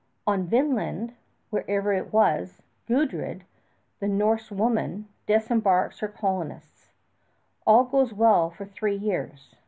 On Vinland wherever it was Gudrid, the Norse woman, disembarks her colonists. All goes well for three years.